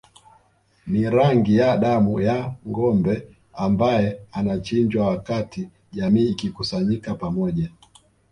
Ni rangi ya damu ya ngombe ambae anachinjwa wakati jamii ikikusanyika pamoja